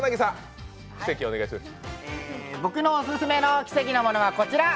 僕のオススメの奇跡のものがこちら。